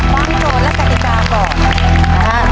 ฟังโจทย์และกฎิกาก่อน